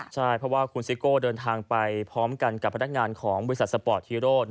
ใช่เพราะว่าคุณซิโก้เดินทางไปพร้อมกันกับพนักงานของบริษัทสปอร์ตฮีโร่